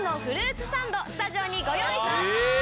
スタジオにご用意しました。